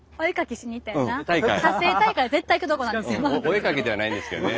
お絵描きではないんですけどね。